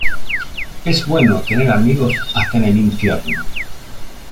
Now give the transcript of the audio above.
Es bueno tener amigos hasta en el infierno.